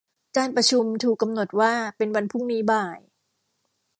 การประชุมถูกกำหนดว่าเป็นวันพรุ่งนี้บ่าย